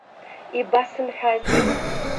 Ибасымҳәази?!